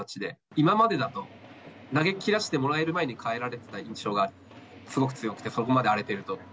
今までだと、投げきらせてもらえる前に、かえられてた印象がすごく強くて、そこまで荒れてると。